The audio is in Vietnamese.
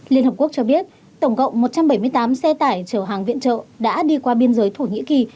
liên hợp quốc cho biết tổng cộng một trăm bảy mươi tám xe tải chở hàng viện trợ đã đi qua biên giới thổ nhĩ kỳ